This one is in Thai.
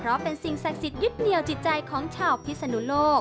เพราะเป็นสิ่งศักดิ์สิทธิยึดเหนียวจิตใจของชาวพิศนุโลก